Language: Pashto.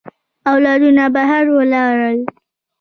اولادونه بهر ولاړ.